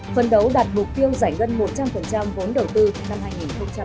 phần đấu đạt mục tiêu giải ngân một trăm linh vốn đầu tư năm hai nghìn hai mươi ba